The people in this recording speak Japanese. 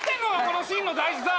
このシーンの大事さ。